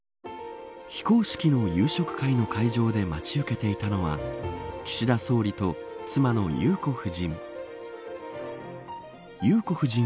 非公式の夕食会の会場で待ち受けていたのは岸田総理と妻の裕子夫人。